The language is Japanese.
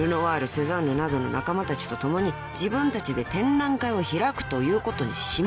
セザンヌなどの仲間たちと共に自分たちで展覧会を開くということにしました］